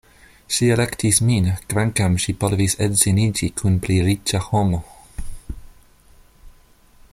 Ŝi elektis min, kvankam ŝi povis edziniĝi kun pli riĉa homo.